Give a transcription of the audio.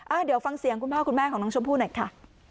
เดี๋ยวฟังเสียงคุณพ่อคุณแม่ของน้องชมพู่หน่อยค่ะ